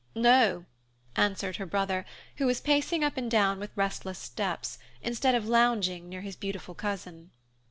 "No," answered her brother, who was pacing up and down with restless steps, instead of lounging near his beautiful cousin.